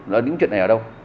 là những chuyện này ở đâu